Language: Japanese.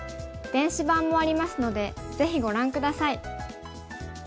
電子版もありますのでぜひご覧下さい。